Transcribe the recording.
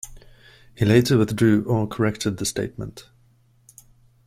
He later withdrew or corrected the statement.